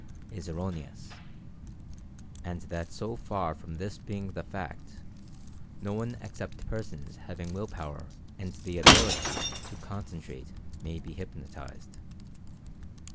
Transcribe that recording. is erroneous, and that so far from this being the fact, no one except persons having will power and the ability to concentrate may be hypno tized.